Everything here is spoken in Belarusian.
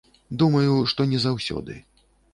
Думаю, што не заўсёды.